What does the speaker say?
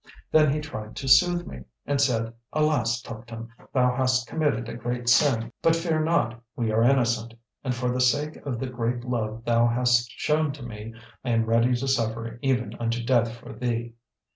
Then he tried to soothe me, and said, 'Alas! Tuptim, thou hast committed a great sin. But fear not. We are innocent; and for the sake of the great love thou hast shown to me, I am ready to suffer even unto death for thee.'